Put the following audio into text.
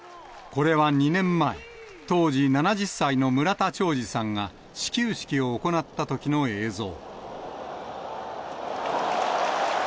これは２年前、当時７０歳の村田兆治さんが、始球式を行ったときの映像。